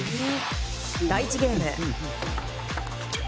第１ゲーム。